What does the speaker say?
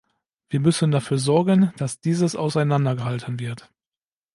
Wir müssen dafür sorgen, dass dieses auseinander gehalten wird.